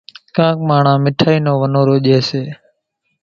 ڪانڪ ماڻۿان مِٺائِي نو ونورو ڄيَ سي۔